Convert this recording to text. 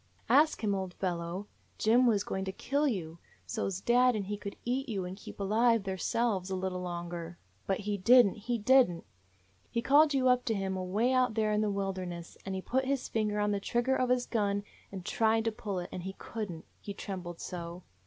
"Ask Him, old fellow, Jim was going to kill you, so 's dad and he could eat you and keep alive theirselves a little longer.* But he did n't; he did n't! He called you up to him away out there in the wilderness, and he put his finger on the trigger of his gun, and tried to pull it ; and he could n't, he trembled so.